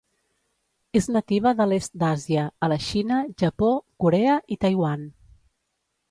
És nativa de l'est d'Àsia a la Xina, Japó, Corea i Taiwan.